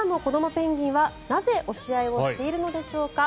ペンギンはなぜ押し合いをしているのでしょうか。